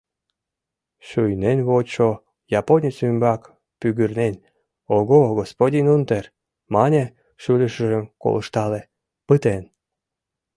Шуйнен вочшо японец ӱмбак пӱгырнен, «О-го, господин унтер! — мане, шӱлышыжым колыштале: «Пытен!»